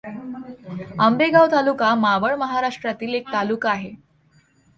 आंबेगाव तालुका, मावळ महाराष्ट्रातील एक तालुका आहे.